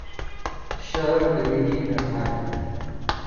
شعر د مینې نغمه ده.